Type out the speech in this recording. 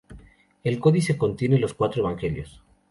El códice contiene los cuatro Evangelios.